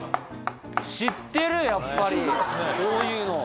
知ってるやっぱりこういうの。